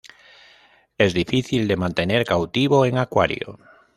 Es difícil de mantener cautivo en acuario.